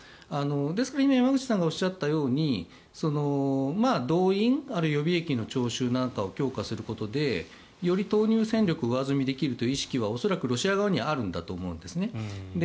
ですから、今山口さんがおっしゃったように動員、予備役の招集を強化することでより投入戦力を上積みできるという認識は恐らくロシア側にはあるんだと思うんですね。